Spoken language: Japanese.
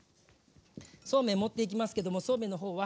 そうめん盛っていきますけどもそうめんの方は